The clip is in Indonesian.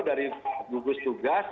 dari gugus tugas